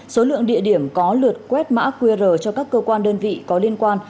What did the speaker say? số lượng địa điểm có lượt quét mã qr cho các cơ quan đơn vị có liên quan